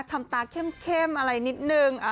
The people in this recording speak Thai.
ทำตาเข้มอะไรนิดนึง